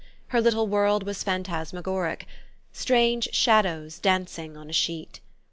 Her little world was phantasmagoric strange shadows dancing on a sheet.